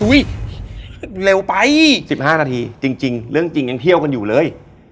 เร็วไป๑๕นาทีจริงเรื่องจริงยังเที่ยวกันอยู่เลย